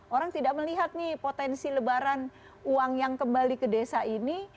orang tidak melihat nih potensi lebaran uang yang kembali ke desa ini